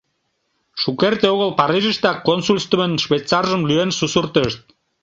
Шукерте огыл Парижыштак консульствын швейцаржым лӱен сусыртышт.